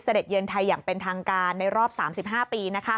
เยือนไทยอย่างเป็นทางการในรอบ๓๕ปี